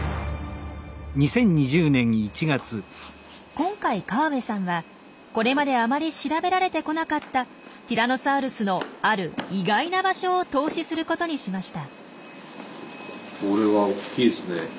今回河部さんはこれまであまり調べられてこなかったティラノサウルスのある意外な場所を透視することにしました。